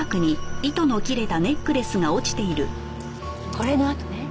これの痕ね。